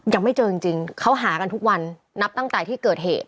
ยังไม่เจอจริงเขาหากันทุกวันนับตั้งแต่ที่เกิดเหตุ